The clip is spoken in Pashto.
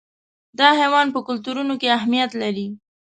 دا حیوان په کلتورونو کې اهمیت لري.